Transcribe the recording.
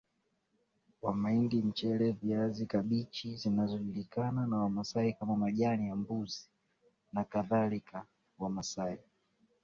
wa mahindi mchele viazi kabichi zinazojulikana na Wamasai kama majani ya mbuzi nakadhalika Wamasai